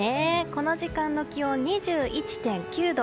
この時間の気温２１．９度。